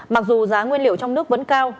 mặc dù giá nguyên liệu trong nước vẫn cao